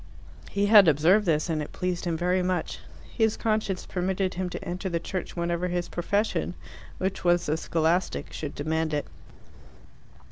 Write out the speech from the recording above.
He had observed this, and it pleased him very much. His conscience permitted him to enter the Church whenever his profession, which was the scholastic, should demand it.